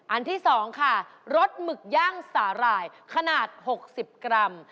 อันที่๒ค่ะรสหมึกย่างสาหร่ายขนาด๖๐กรัม